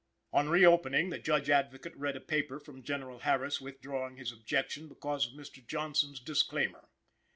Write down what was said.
On reopening, the Judge Advocate read a paper from General Harris withdrawing his objection because of Mr. Johnson's disclaimer.